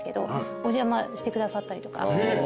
お邪魔してくださったりとか。